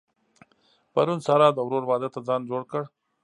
پرون سارا د ورور واده ته ځان جوړ کړ.